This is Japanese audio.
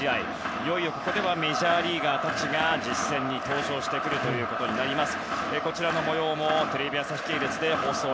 いよいよここではメジャーリーガーたちが実戦に登場してくるということになります。